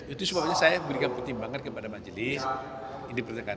itu sebabnya saya memberikan pertimbangan kepada majelis